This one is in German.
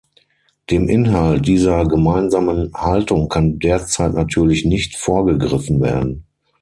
Dem Inhalt dieser gemeinsamen Haltung kann derzeit natürlich nicht vorgegriffen werden.